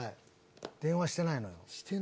電話してないのよ。